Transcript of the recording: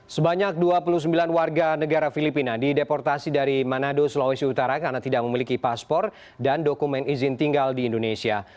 sebanyak dua puluh sembilan warga negara filipina dideportasi dari manado sulawesi utara karena tidak memiliki paspor dan dokumen izin tinggal di indonesia